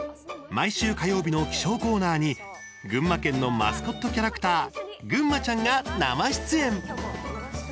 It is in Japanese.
毎週火曜日の気象コーナーに群馬県のマスコットキャラクターぐんまちゃんが生出演。